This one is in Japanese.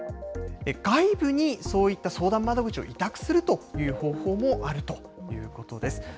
外部にそういった相談窓口を委託するという方法もあるということです。